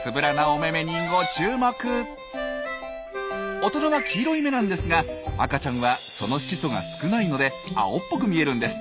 大人は黄色い目なんですが赤ちゃんはその色素が少ないので青っぽく見えるんです。